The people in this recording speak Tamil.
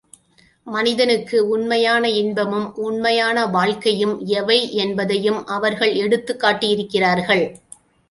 மனிதனுக்கு உண்மையான இன்பமும், உண்மையான வாழ்க்கையும் எவை என்பதையும் அவர்கள் எடுத்துக் காட்டி யிருக்கிறார்கள்.